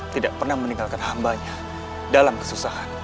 tidak pernah meninggalkan hambanya dalam kesusahan